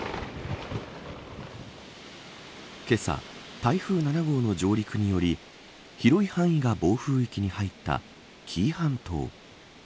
けさ、台風７号の上陸により広い範囲が暴風域に入った紀伊半島。